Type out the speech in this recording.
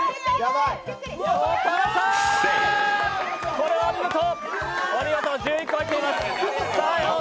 これはお見事、１１個入っています。